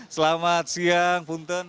selamat siang funtun